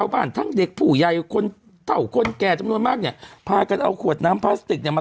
มาปุ๊บสองคนมองแล้วก็นุ่ม